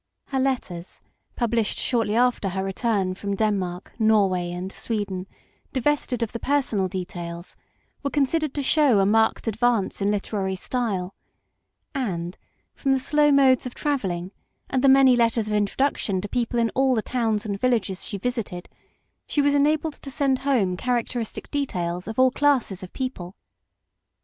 Her letters published shortly after her return from Denmark, Norway, and Sweden, divested of the personal details, were considered to show a marked ad vance in literary style, and from the slow modes of travel ling, and the many letters of introduction to people in all the towns and villages she visited, she was enabled to send home characteristic details of all classes of people.